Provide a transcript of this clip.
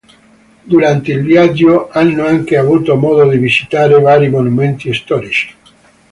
Durante il viaggio hanno anche avuto modo di visitare vari monumenti storici.